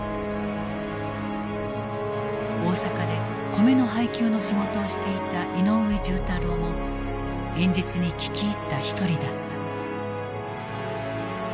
大阪で米の配給の仕事をしていた井上重太郎も演説に聞き入った一人だった。